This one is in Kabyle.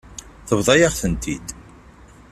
Tebḍa-yaɣ-tent-id.